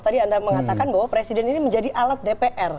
tadi anda mengatakan bahwa presiden ini menjadi alat dpr